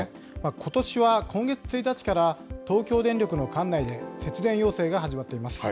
ことしは今月１日から東京電力の管内で、節電要請が始まっています。